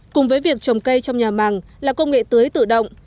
cùng với việc trồng cây trong nhà màng là công nghệ tưới tự động